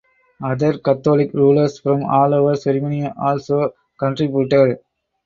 Other Catholic rulers from all over Germany also contributed.